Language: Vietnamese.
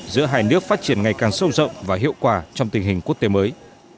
giữa hai nước phát triển ngày càng sâu rộng và hiệu quả trong tình hình quốc tế mới